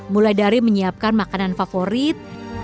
mulai dari menyiapkan makanan favorit